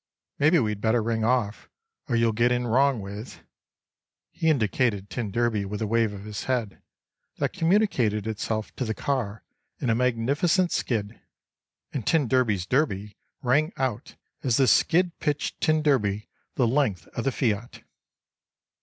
Maybe we'd better ring off, or you'll get in wrong with"—he indicated t d with a wave of his head that communicated itself to the car in a magnificent skid; and t d's derby rang out as the skid pitched t d the length of the F.I.A.T.